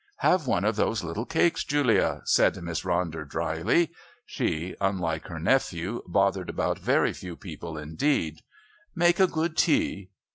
"Have one of those little cakes, Julia," said Miss Ronder drily. She, unlike her nephew, bothered about very few people indeed. "Make a good tea."